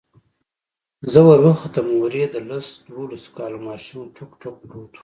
زه وروختم هورې د لس دولسو كالو ماشوم ټوك ټوك پروت و.